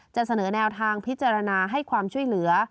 จะเสนอแนวทางพิจารณาให้ความช่วยเหลือ